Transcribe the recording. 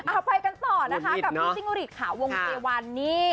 เอาไปกันต่อนะคะกับพี่ซิ่งงุฤษค่ะวงเจวันนี่